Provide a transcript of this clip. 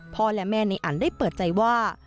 พ่อและแม่ในอันได้เปิดใจว่า